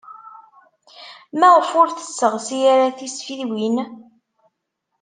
Maɣef ur tesseɣsi ara tisfiwin?